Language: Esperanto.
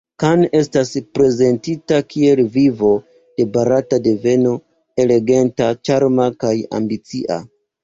Khan estas prezentita kiel viro de barata deveno, eleganta, ĉarma kaj ambicia.